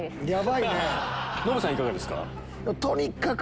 ノブさんいかがですか？